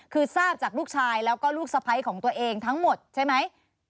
คือทราบจากลูกชายแล้วก็ลูกสะพ้ายของตัวเองทั้งหมดใช่ไหม